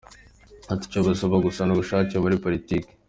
Ati “Icyo bisaba gusa ni ubushake muri politiki.